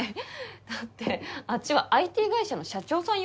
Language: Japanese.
だってあっちはＩＴ会社の社長さんよ？